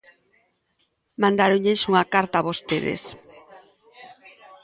Mandáronlles unha carta a vostedes.